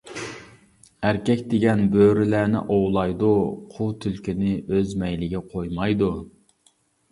ئەركەك دېگەن بۆرىلەرنى ئوۋلايدۇ، قۇۋ تۈلكىنى ئۆز مەيلىگە قويمايدۇ.